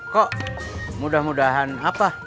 kok mudah mudahan apa